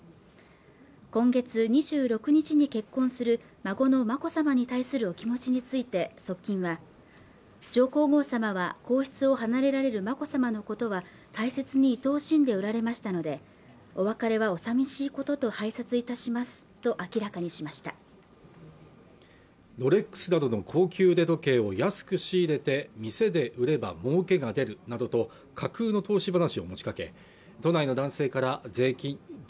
今月２６日に結婚する孫の眞子さまに対するお気持ちについて側近は上皇后さまは皇室を離れられる眞子さまのことは大切にいとおしんでおられましたのでお別れはお寂しいことと拝察いたしますと明らかにしましたロレックスなどの高級腕時計を安く仕入れて店で売れば儲けが出るなどと架空の投資話を持ちかけ都内の男性から税金等